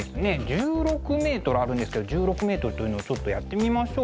１６ｍあるんですけど１６ｍというのをちょっとやってみましょう。